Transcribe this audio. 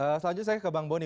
selanjutnya saya ke bang boni